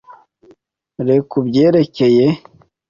re kubyerekeye.